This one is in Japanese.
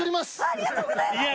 ありがとうございます！